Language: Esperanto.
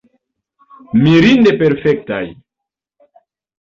Mirinde perfektaj.